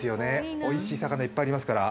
おいしい魚がいっぱいありますから。